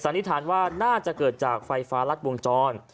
นิษฐานว่าน่าจะเกิดจากไฟฟ้ารัดวงจร